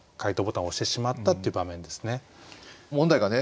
問題がね